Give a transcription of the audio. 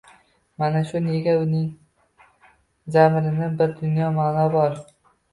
Mana shu «nega»ning zamirida bir dunyo ma’no bor.